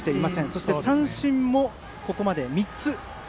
そして、三振もここまで３つ。